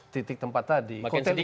titik tempat tadi